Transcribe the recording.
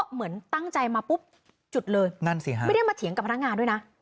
เหมือนตั้งใจมาปุ๊บจุดเลยนั่นสิฮะไม่ได้มาเถียงกับพนักงานด้วยนะ